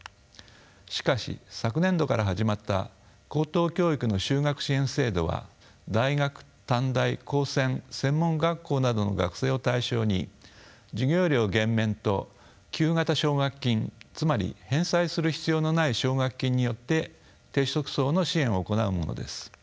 しかし昨年度から始まった高等教育の修学支援制度は大学短大高専専門学校などの学生を対象に授業料減免と給付型奨学金つまり返済する必要のない奨学金によって低所得層の支援を行うものです。